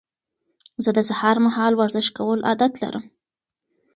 زه د سهار مهال ورزش کولو عادت لرم.